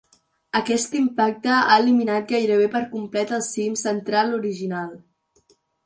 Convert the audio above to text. Aquest impacte ha eliminat gairebé per complet el cim central original.